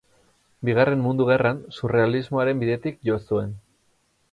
Bigarren Mundu Gerran, surrealismoaren bidetik jo zuen.